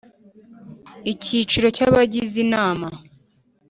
Icyiciro cy’Abagize Inama.